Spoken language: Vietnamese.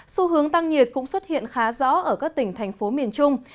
xu hướng tăng nhiệt cũng xuất hiện khá rõ ở các tỉnh thành phố miền trung